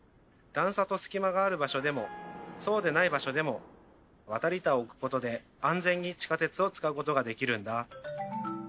段差と隙間がある場所でもそうでない場所でもわたり板を置くことで安全に地下鉄を使うことができるんだ。